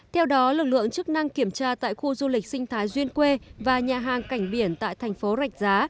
theo đó lực lượng chức năng kiểm tra tại khu du lịch sinh thái duyên quê và nhà hàng cảnh biển tại thành phố rạch giá